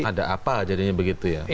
orang bertanya begitu ya